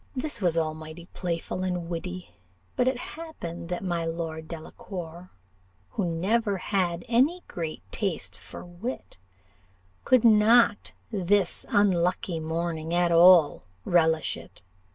This was all mighty playful and witty; but it happened that my Lord Delacour, who never had any great taste for wit, could not this unlucky morning at all relish it.